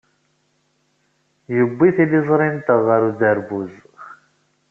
Yewwi tiliẓri-nteɣ ɣer uderbuz.